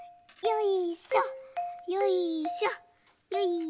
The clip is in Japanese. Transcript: よいしょ！